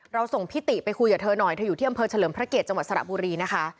ส่งพิติไปคุยกับเธอหน่อยเธออยู่ที่อำเภอเฉลิมพระเกียรติจังหวัดสระบุรีนะคะ